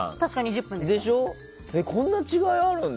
こんな違いあるんだ。